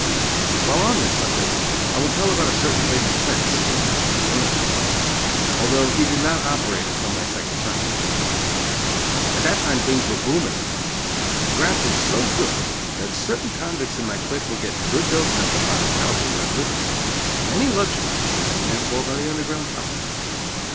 While on this subject, I will tell about a certain famous "fence" (at one of these prisons) although he did not operate until my second term. At that time things were booming on the outside. The graft was so good that certain convicts in my clique were getting good dough sent them by their pals who were at liberty; and many luxuries came in, therefore, by the Underground Tunnel.